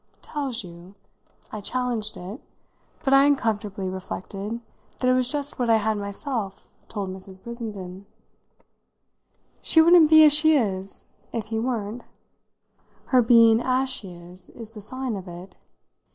"'Tells' you?" I challenged it, but I uncomfortably reflected that it was just what I had myself told Mrs. Brissenden. "She wouldn't be as she is if he weren't. Her being as she is is the sign of it.